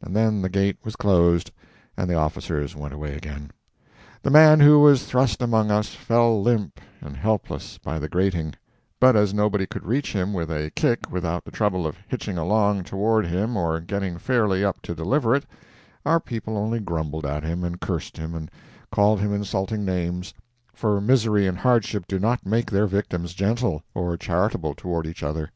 and then the gate was closed and the officers went away again. The man who was thrust among us fell limp and helpless by the grating, but as nobody could reach him with a kick without the trouble of hitching along toward him or getting fairly up to deliver it, our people only grumbled at him, and cursed him, and called him insulting names for misery and hardship do not make their victims gentle or charitable toward each other.